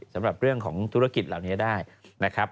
สำหรับเรื่องของธุรกิจเหล่านี้ได้นะครับ